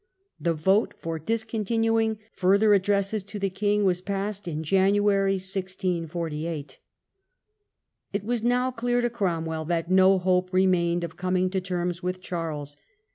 The vote for dis continuing further "Addresses" to the king was passed in January, 1648. It was now clear to Cromwell that no hope remained Difficulties of ^^ coming to terms with Charles.